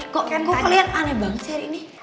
kok kelihatan aneh banget sih hari ini